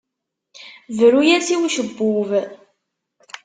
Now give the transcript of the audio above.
Bru-as i ucebbub.